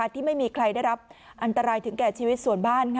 ที่ไม่มีใครได้รับอันตรายถึงแก่ชีวิตส่วนบ้าน